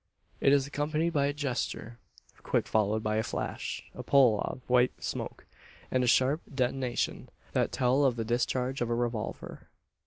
It is accompanied by a gesture; quick followed by a flash, a puff of white smoke, and a sharp detonation, that tell of the discharge of a revolver.